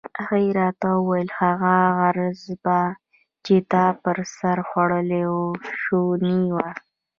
هغې راته وویل: هغه ضربه چې تا پر سر خوړلې وه شونې وه.